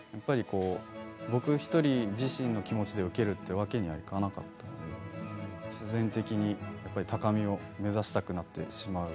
僕１人、自身の気持ちで受けるというわけにはいかなかったので必然的に高みを目指したくなってしまうと。